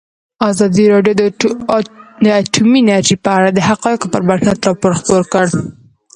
ازادي راډیو د اټومي انرژي په اړه د حقایقو پر بنسټ راپور خپور کړی.